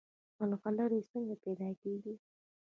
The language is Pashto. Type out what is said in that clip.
ملغلرې څنګه پیدا کیږي؟